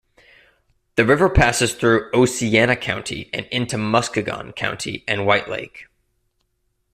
The river passes through Oceana County and into Muskegon County and White Lake.